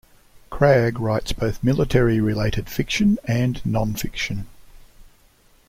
Cragg writes both military-related fiction and non-fiction.